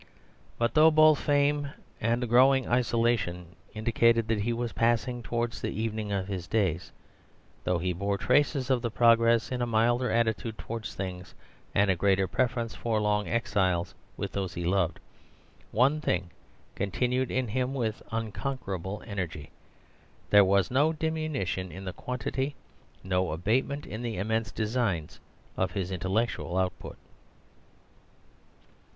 But though both fame and a growing isolation indicated that he was passing towards the evening of his days, though he bore traces of the progress, in a milder attitude towards things, and a greater preference for long exiles with those he loved, one thing continued in him with unconquerable energy there was no diminution in the quantity, no abatement in the immense designs of his intellectual output.